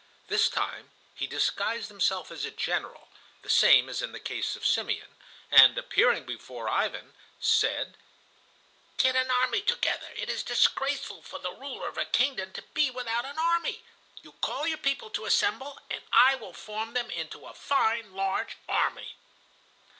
This time he disguised himself as a General, the same as in the case of Simeon, and, appearing before Ivan, said: "Get an army together. It is disgraceful for the ruler of a kingdom to be without an army. You call your people to assemble, and I will form them into a fine large army."